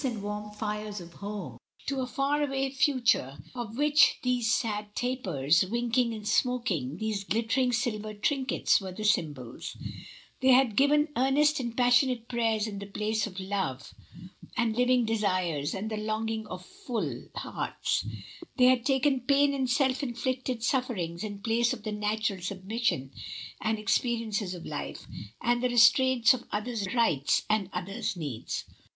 7 1 and warm fires of home, to a far away futiire, of which these sad tapers, winking and smoking, these glittering silver trinkets, were the symbols; they had given earnest and passionate prayers in the place of love and living desires and the longing of full hearts; they had taken pain and self inflicted suff"er ings in place of the natural submission and ex perience of life, and the restraints of other's rights and other's needs.